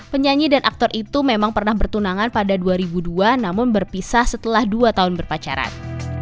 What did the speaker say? penyanyi dan aktor itu memang pernah bertunangan pada dua ribu dua namun berpisah setelah dua tahun berpacaran